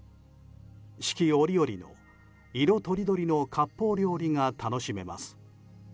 四季折々、色とりどりの割烹料理が楽しめます。